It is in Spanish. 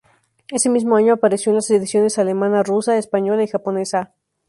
Ese mismo año apareció en las ediciones alemana, rusa, española y japonesa.